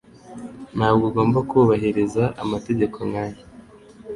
Ntabwo ugomba kubahiriza amategeko nkaya.